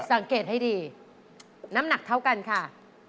สังเกตให้ดีน้ำหนักเท่ากันค่ะ